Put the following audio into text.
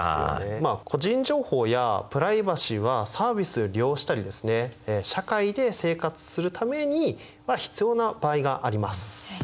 まあ個人情報やプライバシーはサービスを利用したりですね社会で生活するために必要な場合があります。